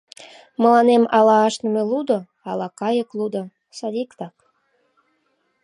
Мыланем ала ашныме лудо, ала кайык лудо — садиктак.